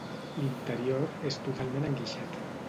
L'interior és totalment enguixat.